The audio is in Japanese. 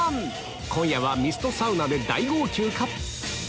今夜はミストサウナで大号泣か？